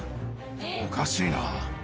おかしいな。